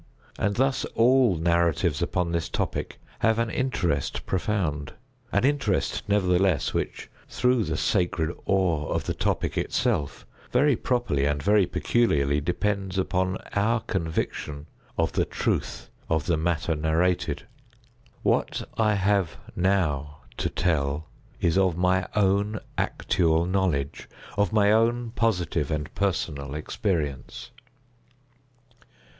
And thus all narratives upon this topic have an interest profound; an interest, nevertheless, which, through the sacred awe of the topic itself, very properly and very peculiarly depends upon our conviction of the truth of the matter narrated. What I have now to tell is of my own actual knowledge—of my own positive and personal experience.